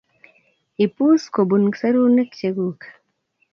Ipus kobun serunek cheguk